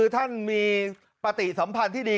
ท่านมีปฏิสัมพันธ์ที่ดี